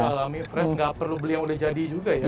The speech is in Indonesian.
jadi udah alami fresh nggak perlu beli yang udah jadi juga ya